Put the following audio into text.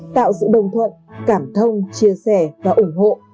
tạo sự đồng thuận cảm thông chia sẻ và ủng hộ